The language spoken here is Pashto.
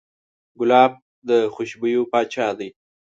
ګلاب د خوشبویو پاچا دی.